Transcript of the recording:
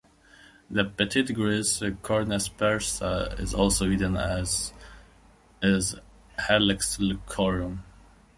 The "petit-gris" "Cornu aspersa" is also eaten, as is "Helix lucorum".